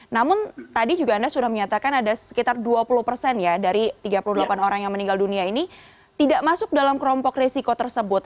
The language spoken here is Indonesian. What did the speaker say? namun tadi juga anda sudah menyatakan ada sekitar dua puluh persen ya dari tiga puluh delapan orang yang meninggal dunia ini tidak masuk dalam kelompok resiko tersebut